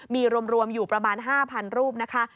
มีรวมอยู่ประมาณ๕๐๐รูปนะคะ